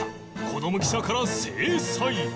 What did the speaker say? こども記者から制裁